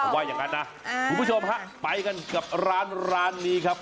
ว่าอย่างนั้นนะคุณผู้ชมฮะไปกันกับร้านร้านนี้ครับ